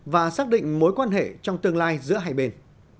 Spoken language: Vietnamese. và xác định mối quan hệ trong tương lai giữa hai bên